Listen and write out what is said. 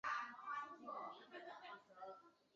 他表示他是由中间偏右和左派选民所选出。